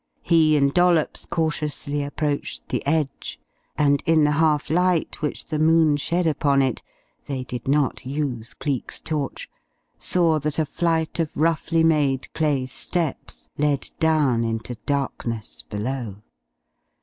He and Dollops cautiously approached the edge, and in the half light which the moon shed upon it (they did not use Cleek's torch) saw that a flight of roughly made clay steps led down into darkness below.